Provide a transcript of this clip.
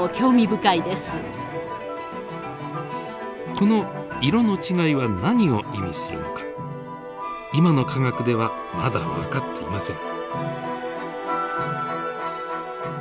この色の違いは何を意味するのか今の科学ではまだ分かっていません。